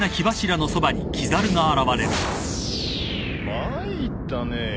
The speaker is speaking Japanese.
参ったね。